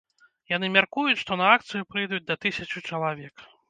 Яны мяркуюць, што на акцыю прыйдуць да тысячы чалавек.